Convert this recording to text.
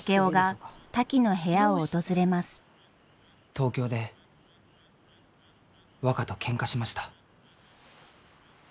東京で若とけんかしました。